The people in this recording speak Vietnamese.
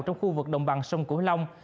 trong vực đồng bằng sông cổ long